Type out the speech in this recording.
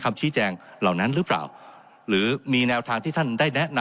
คำชี้แจงเหล่านั้นหรือเปล่าหรือมีแนวทางที่ท่านได้แนะนำ